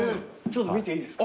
ちょっと見ていいですか？